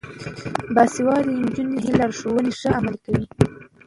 باسواده نجونې صحي لارښوونې ښې عملي کوي.